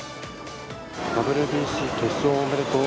ＷＢＣ決勝おめでとう！